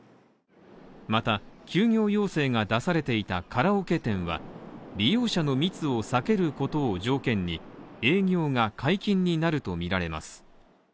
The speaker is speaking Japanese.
また、休業要請が出されていたカラオケ店は利用者の密を避けることを条件に、営業が解禁になるとみられます。